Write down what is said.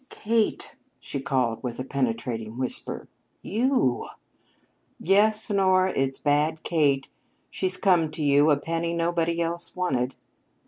"Kate!" she called with a penetrating whisper. "You!" "Yes, Honora, it's bad Kate. She's come to you a penny nobody else wanted."